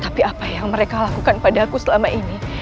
tapi apa yang mereka lakukan pada aku selama ini